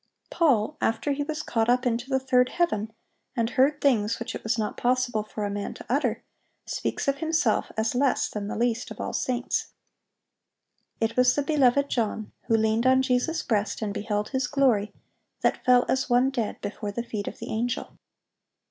(806) Paul, after he was caught up into the third heaven, and heard things which it was not possible for a man to utter, speaks of himself as "less than the least of all saints."(807) It was the beloved John, who leaned on Jesus' breast and beheld His glory, that fell as one dead before the feet of the angel.